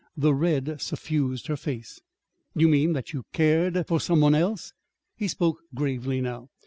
The red suffused her face. "You mean that you cared for some one else?" He spoke gravely now.